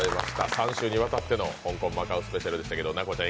３週にわたっての香港＆マカオスペシャルでした。